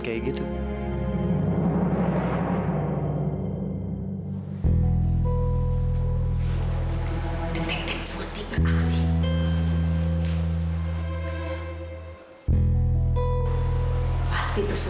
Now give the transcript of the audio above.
surat pmm pin belum